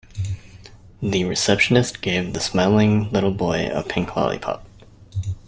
The receptionist gave the smiling little boy a pink lollipop.